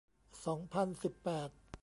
สองพันสิบแปด